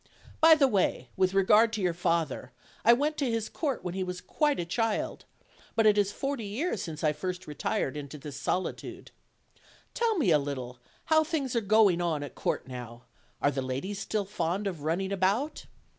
By the way, with regard to your father: I went to his court when he was quite a child; but it is forty years since I first retired into this solitude. Tell me a little how things are going on at court now; are the ladies still as fond of running about?